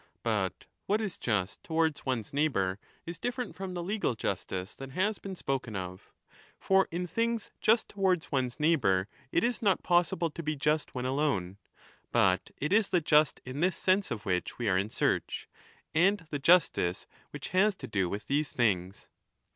But what is just towards one's neighbour is different from the legal justice that has been spoken of. For in things just towards one's neighbour it is not possible to be just when alone. But it is the just in this sense of which we are in search, and the justice which has to do with these things.